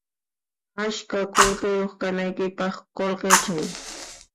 Ashka qullqiyuq kanaykipaq qullqichay